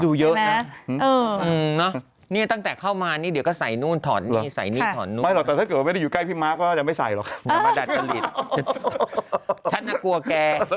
ดูเยอะนะนี่ตั้งแต่เข้ามานี่เดี๋ยวก็ใส่นู่นถอดนี่ใส่นี่ถอดนู่นนะ